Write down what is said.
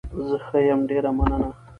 زه ښه يم، ډېره مننه.